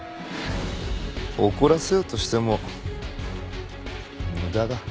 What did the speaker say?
怒らせようとしても無駄だ。